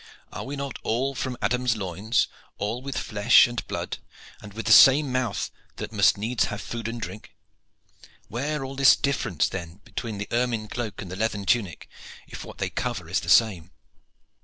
Are we not all from Adam's loins, all with flesh and blood, and with the same mouth that must needs have food and drink? Where all this difference then between the ermine cloak and the leathern tunic, if what they cover is the same?"